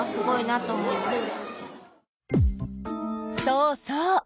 そうそう。